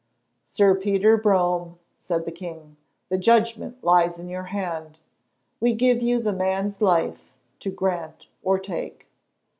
"Sir Peter Brome," said the king, "the judgment lies in your hand. We give you the man's life, to grant or to take."